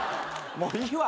もういいわ。